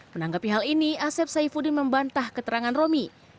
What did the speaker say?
menanggapi hal ini asep saifuddin membantah keterangan romi